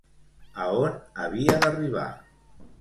A on havia d'arribar?